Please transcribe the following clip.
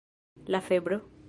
La febro?